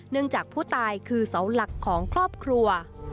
จากผู้ตายคือเสาหลักของครอบครัว